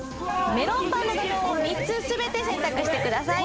メロンパンの画像を３つ全て選択してください。